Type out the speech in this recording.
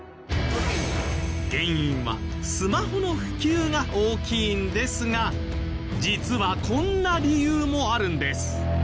原因はスマホの普及が大きいんですが実はこんな理由もあるんです。